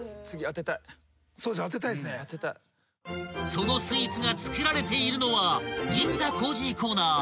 ［そのスイーツがつくられているのは］